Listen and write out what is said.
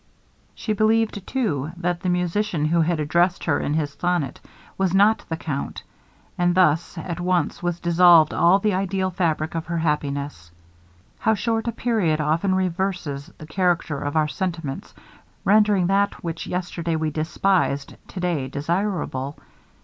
She believed, too, that the musician who had addressed her in his sonnet, was not the Count; and thus at once was dissolved all the ideal fabric of her happiness. How short a period often reverses the character of our sentiments, rendering that which yesterday we despised, to day desirable.